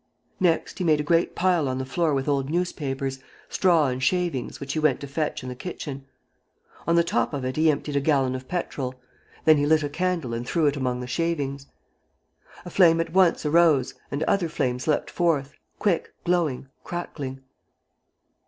Next, he made a great pile on the floor with old newspapers, straw and shavings, which he went to fetch in the kitchen. On the top of it he emptied a gallon of petrol. Then he lit a candle and threw it among the shavings. A flame at once arose and other flames leapt forth, quick, glowing, crackling.